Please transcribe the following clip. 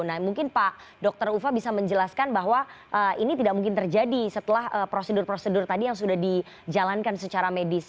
nah mungkin pak dr ufa bisa menjelaskan bahwa ini tidak mungkin terjadi setelah prosedur prosedur tadi yang sudah dijalankan secara medis